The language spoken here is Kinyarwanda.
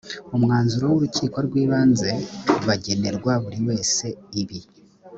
umwanzuro w urukiko rw ibanze bagenerwa buri wese ibi